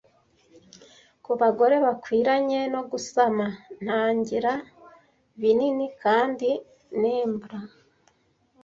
Ku bagore bakwiranye no gusama Ntangira binini kandi nimbler.